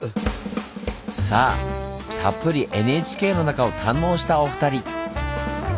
さあたっぷりＮＨＫの中を堪能したお二人。